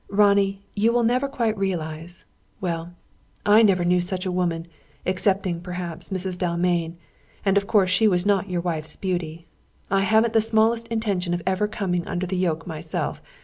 Ronnie, you will never quite realise well, I never knew such a woman, excepting, perhaps, Mrs. Dalmain; and of course she has not your wife's beauty. I haven't the smallest intention of ever coming under the yoke myself.